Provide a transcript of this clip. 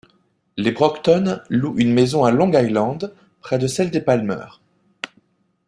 Les Brockton louent une maison à Long Island, près de celle des Palmer.